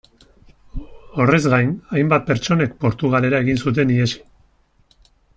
Horrez gain, hainbat pertsonek Portugalera egin zuten ihesi.